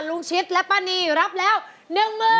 ลูกชิ้นและปรานีรักแล้วหนึ่งมือ